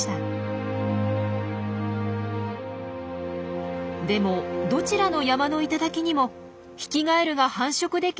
でもどちらの山の頂にもヒキガエルが繁殖できる池はありません。